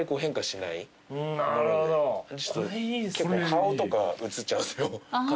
顔とか映っちゃうんですよ。